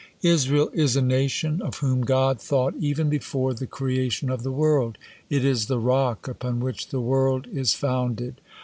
"Israel is a nation of whom God thought even before the creation of the world. It is the rock upon which the world is founded.